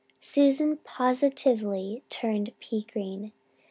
Susan positively turned pea green.